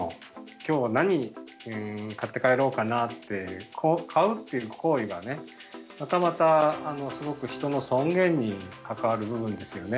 今日は何買って帰ろうかなって買うっていう行為がねまたまたすごく人の尊厳に関わる部分ですよね。